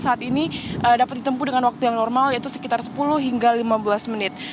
saat ini dapat ditempuh dengan waktu yang normal yaitu sekitar sepuluh hingga lima belas menit